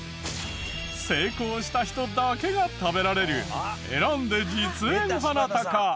成功した人だけが食べられる選んで実演ハナタカ。